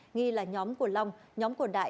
nghi là nhóm của long nhóm của đại